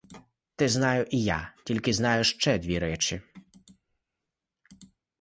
Те знаю і я, тільки знаю ще дві речі.